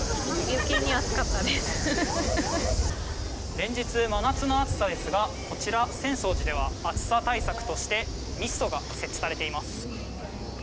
連日真夏の暑さですがこちら浅草寺では暑さ対策としてミストが設置されています。